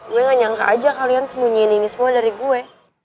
gue gak nyangka aja kalian sembunyiin ini semua dari gue